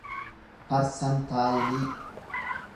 parsantaayilii